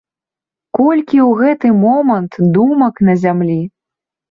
Колькі ў гэты момант думак на зямлі?!